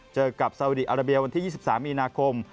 เจอกับสาวดีอาราเบียวันที่๒๓มีนาคม